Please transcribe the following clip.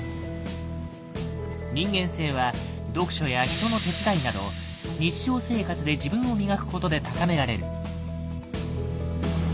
人間性は読書や人の手伝いなど日常生活で自分を磨くことで高められる。